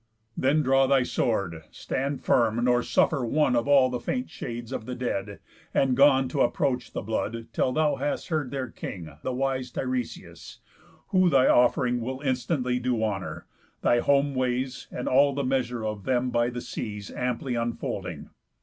Then draw thy sword, stand firm, nor suffer one Of all the faint shades of the dead and gone T' approach the blood, till thou hast heard their king, The wise Tiresias; who thy offering Will instantly do honour, thy home ways, And all the measure of them by the seas, Amply unfolding.